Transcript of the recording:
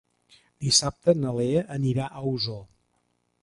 Dissabte na Lea anirà a Osor.